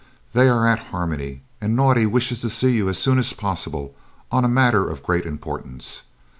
"They are at Harmony, and Naudé wishes to see you as soon as possible on a matter of great importance.